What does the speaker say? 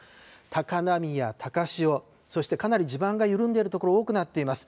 高波や高潮、そしてかなり地盤が緩んでいる所、多くなっています。